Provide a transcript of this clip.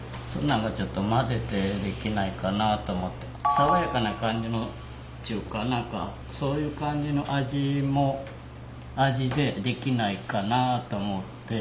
爽やかな感じのちゅうか何かそういう感じの味でできないかなあと思って。